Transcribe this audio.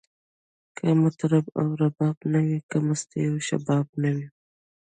که مطرب او رباب نه وی، که مستی او شباب نه وی